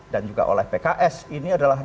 dan juga oleh pks ini adalah